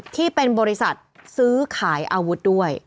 ที่เป็นบริษัทซื้อขายอาวุธด้วย